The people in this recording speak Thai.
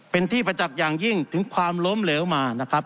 เป็นที่ประจักษ์อย่างยิ่งถึงความล้มเหลวมานะครับ